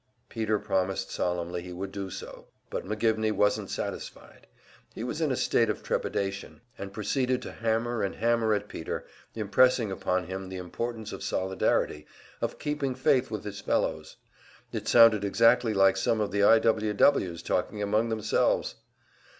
Peter promised solemnly he would do so; but McGivney wasn't satisfied. He was in a state of trepidation, and proceeded to hammer and hammer at Peter, impressing upon him the importance of solidarity, of keeping faith with his fellows. It sounded exactly like some of the I. W. W.'s talking among themselves!